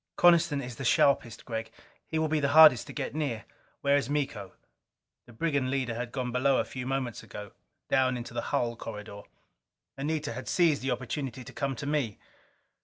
"Coniston is the sharpest, Gregg. He will be the hardest to get near." "Where is Miko?" The brigand leader had gone below a few moments ago, down into the hull corridor. Anita had seized the opportunity to come to me.